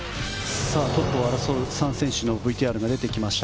トップを争う３選手のＶＴＲが出てきました。